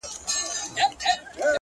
کاڼی مي د چا په لاس کي وليدی ـ